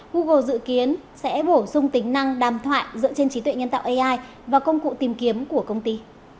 google dự kiến sẽ bổ sung tính năng đàm thoại dựa trên trí tuệ nhân tạo ai và công cụ tìm kiếm của công ty